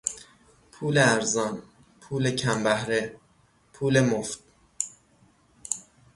پول ارزان، پول کم بهره، پول مفت